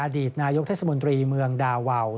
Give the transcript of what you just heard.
อดีตนายกเทศมนตรีเมืองดาวาว